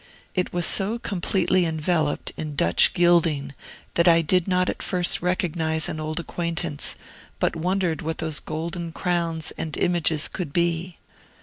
It was so completely enveloped in Dutch gilding that I did not at first recognize an old acquaintance, but wondered what those golden crowns and images could be.